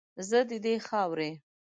زه ددې خاورې